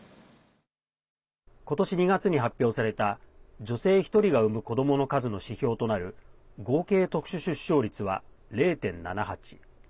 今年２月に発表された女性１人が産む子どもの数の指標となる合計特殊出生率は０．７８。